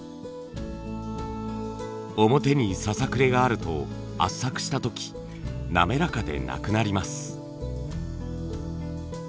表にささくれがあると圧搾した時滑らかでなくなります。